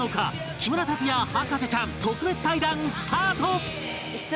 木村拓哉博士ちゃん特別対談スタート！